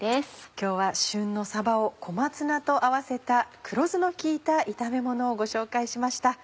今日は旬のさばを小松菜と合わせた黒酢の効いた炒めものをご紹介しました。